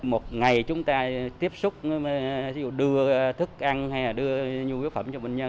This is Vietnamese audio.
một ngày chúng ta tiếp xúc ví dụ đưa thức ăn hay là đưa nhu yếu phẩm cho bệnh nhân